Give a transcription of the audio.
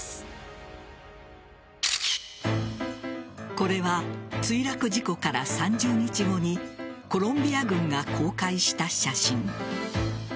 これは墜落事故から３０日後にコロンビア軍が公開した写真。